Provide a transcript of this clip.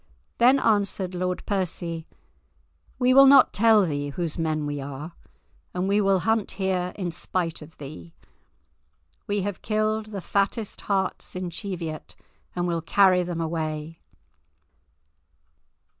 Then answered Lord Percy, "We will not tell thee whose men we are, and we will hunt here in spite of thee. We have killed the fattest harts in Cheviot and will carry them away."